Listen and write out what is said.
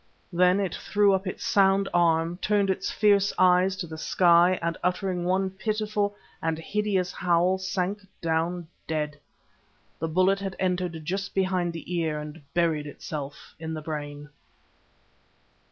Then it threw up its sound arm, turned its fierce eyes to the sky, and uttering one pitiful and hideous howl, sank down dead. The bullet had entered just behind the ear and buried itself in the brain.